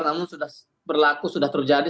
namun sudah berlaku sudah terjadi